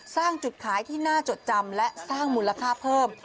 สร้างจุดขายที่น่าจดจำและสร้างมูลค่าเพิ่ม